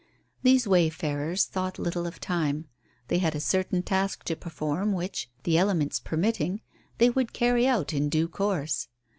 These wayfarers thought little of time. They had a certain task to perform which, the elements permitting, they would carry out in due course.